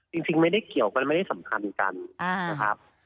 จริงไม่ได้เกี่ยวกันไม่ได้สำคัญกันนะครับ